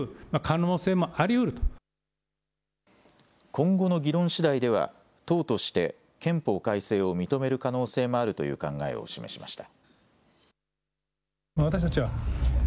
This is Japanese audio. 今後の議論しだいでは党として憲法改正を認める可能性もあるという考えを示しました。